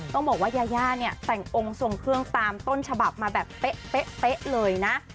ต้องบอกว่ายาย่าเนี่ยแต่งองค์ทรงเครื่องตามต้นฉบับมาแบบเป๊ะเลยนะ